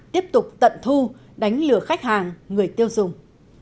tiếp tục tận thu đánh lừa khách hàng người tiêu dùng